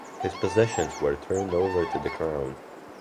His possessions were turned over to the crown.